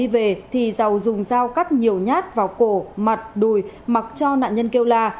về thì giàu dùng dao cắt nhiều nhát vào cổ mặt đùi mặc cho nạn nhân kêu la